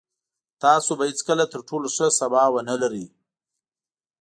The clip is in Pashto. تاسو به هېڅکله تر ټولو ښه سبا ونلرئ.